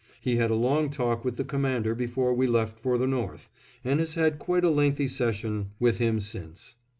He had a long talk with the Commander before we left for the north, and has had quite a lengthy session with him since.